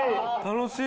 楽しい！